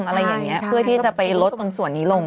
อะไรอย่างนี้เพื่อที่จะไปลดตรงส่วนนี้ลง